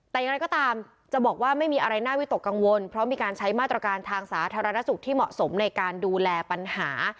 แต่อย่างไรก็ตามจะบอกว่าไม่มีอะไรน่าวิตกกังวลเพราะมีการใช้มาตรการทางสาธารณสุขที่เหมาะสมในการดูแลปัญหา